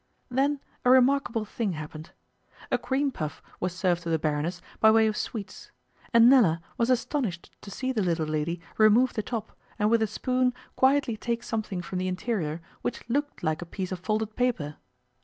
Then a remarkable thing happened. A cream puff was served to the Baroness by way of sweets, and Nella was astonished to see the little lady remove the top, and with a spoon quietly take something from the interior which looked like a piece of folded paper.